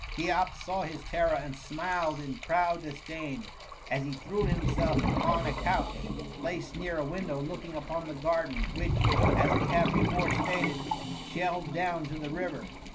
Cheops saw his terror and smiled in proud disdain as he threw himself upon a couch, placed near a window looking upon the garden, which, as we have before stated, shelved down to the river.